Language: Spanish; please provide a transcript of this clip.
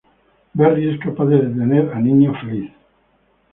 Berry es capaz de detener a Niño Feliz.